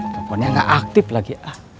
teleponnya gak aktif lagi